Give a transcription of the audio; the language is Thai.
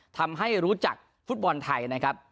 ทำให้รู้จักฟุตบอลไทยนะครับ